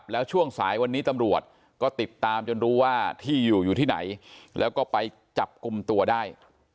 แล้วช่วงสายวันนี้ตำรวจก็ติดตามจนรู้ว่าที่อยู่อยู่ที่ไหนแล้วก็ไปจับกลุ่มตัวได้